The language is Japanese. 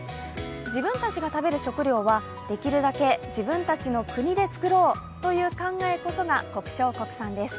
自分たちが食べる食料はできるだけ自分たちの国で作ろうという考えこそが国消国産です。